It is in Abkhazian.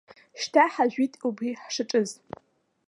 Шьҭа ҳажәит убри ҳшаҿыз.